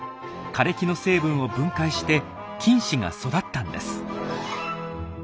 枯れ木の成分を分解して菌糸が育ったんです。